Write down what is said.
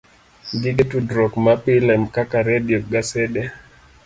Gige tudruok mapile kaka redio, gasede,